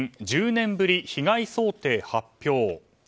１０年ぶり被害想定発表。